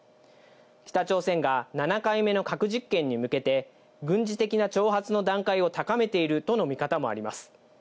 北朝鮮が７回目の核実験に向けて軍事的な挑発の段階を高めているとの見方もあります。